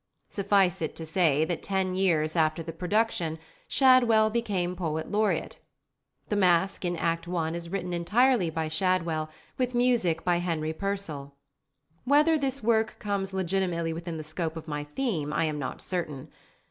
Suffice it to say that ten years after the production Shadwell became Poet Laureate! The masque in Act i. is written entirely by Shadwell, with music by +Henry Purcell+. Whether this work comes legitimately within the scope of my theme I am not certain.